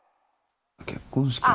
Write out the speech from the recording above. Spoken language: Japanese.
結婚式は？